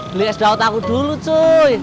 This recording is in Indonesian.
beli es daun aku dulu cuy